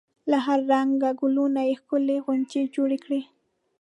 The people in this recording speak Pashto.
له هر رنګ ګلونو یې ښکلې غونچې جوړې کړي.